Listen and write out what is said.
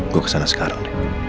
gue kesana sekarang